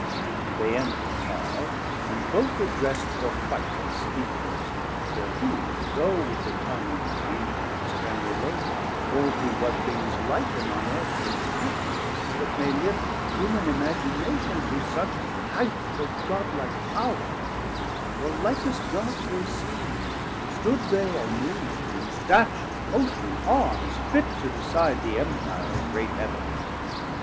They ended parle, and both addrest for fight Unspeakable; for who, though with the tongue Of Angels, can relate, or to what things Liken on Earth conspicuous, that may lift Human imagination to such highth 300 Of Godlike Power: for likest Gods they seemd, Stood they or mov'd, in stature, motion, arms Fit to decide the Empire of great Heav'n.